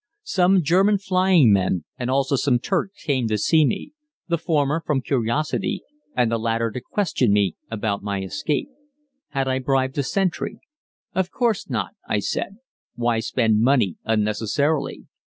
Some German flying men and also some Turks came to see me; the former from curiosity, and the latter to question me about my escape. Had I bribed the sentry? "Of course not," I said, "why spend money unnecessarily?